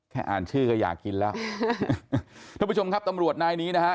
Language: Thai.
อ่านชื่อก็อยากกินแล้วท่านผู้ชมครับตำรวจนายนี้นะฮะ